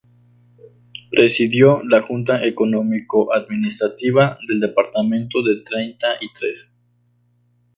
Presidió la Junta Económico-Administrativa del departamento de Treinta y Tres.